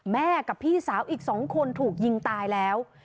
กับพี่สาวอีก๒คนถูกยิงตายแล้ว